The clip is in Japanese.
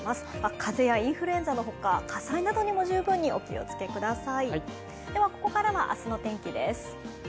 風邪やインフルエンザの他火災などにも十分お気をつけください。